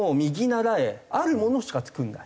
あるものしか作らない。